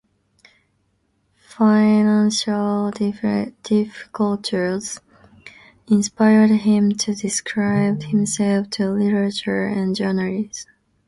Financial difficulties inspired him to dedicate himself to literature and journalism.